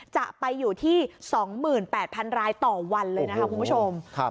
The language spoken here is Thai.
จะไปอยู่ที่๒๘๐๐๐รายต่อวันเลยนะคะคุณผู้ชม